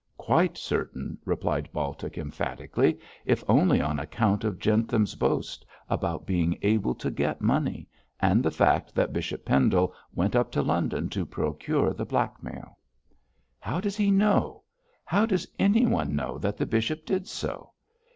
'Quite certain,' replied Baltic, emphatically; 'if only on account of Jentham's boast about being able to get money, and the fact that Bishop Pendle went up to London to procure the blackmail.' 'How does he know how does anyone know that the bishop did so?'